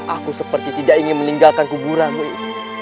aku seperti tidak ingin meninggalkan kuburamu ibu